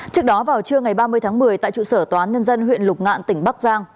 trước đó vào trưa ngày ba mươi tháng một mươi tại trụ sở tòa án nhân dân huyện lục ngạn tỉnh bắc giang